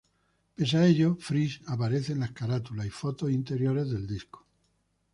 Pese a ello, Freese aparece en las carátulas y fotos interiores del disco.